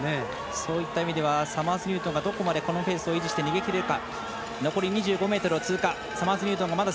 そういった意味ではサマーズニュートンがどこまでこのペースを維持して逃げられるか。